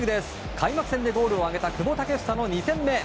開幕戦でゴールを挙げた久保建英の２戦目。